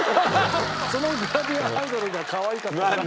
そのグラビアアイドルがかわいかったから。